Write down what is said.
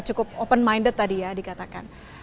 cukup open minded tadi ya dikatakan